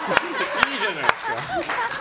いいじゃないですか。